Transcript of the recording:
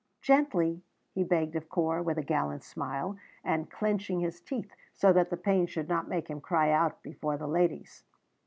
"Gently," he begged of Corp, with a gallant smile, and clenching his teeth so that the pain should not make him cry out before the ladies.